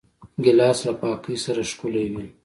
ګیلاس له پاکۍ سره ښکلی وي.